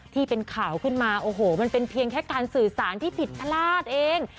ที่เป็นข่าวขึ้นมาโอ้โหมันเป็นเพียงแค่การสื่อสารที่ผิดพลาดเอง